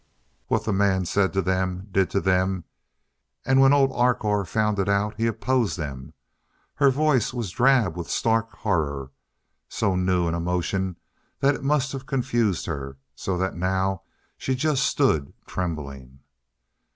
What that man said to them did to them and when old Arkoh found it out he opposed them " Her voice was drab with stark horror so new an emotion that it must have confused her, so that now she just stood trembling.